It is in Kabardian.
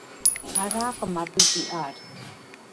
Аракъым абы жиӏар.